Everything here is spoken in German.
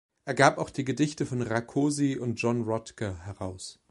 Er gab auch die Gedichte von Rakosi und John Rodker heraus.